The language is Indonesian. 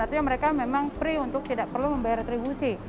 artinya mereka memang pre untuk tidak perlu membayar retribusi